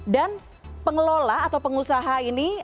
dan pengelola atau pengusaha ini